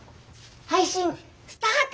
配信スタート！